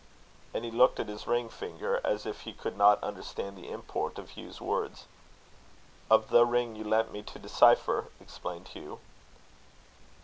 And he looked at his ring finger, as if he could not understand the import of Hugh's words. "Of the ring you lent me to decipher," explained Hugh.